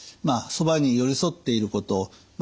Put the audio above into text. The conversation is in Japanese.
そばに寄り添っていること